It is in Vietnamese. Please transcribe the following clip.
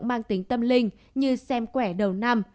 mang tính tâm linh như xem quẻ đầu năm